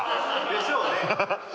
・でしょうね。